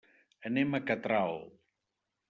Anem a Catral.